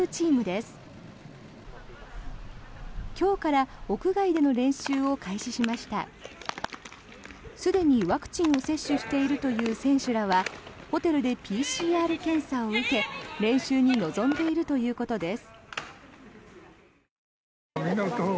すでにワクチンを接種しているという選手らはホテルでＰＣＲ検査を受け練習に臨んでいるということです。